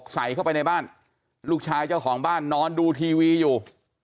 ใส่เข้าไปในบ้านลูกชายเจ้าของบ้านนอนดูทีวีอยู่